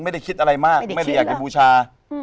ไม่ได้คิดอะไรมากไม่ได้อยากจะบูชา